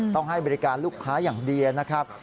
ต้องให้บริการลูกค้าอย่างเดียวนะครับ